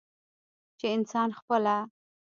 چې انسان خپله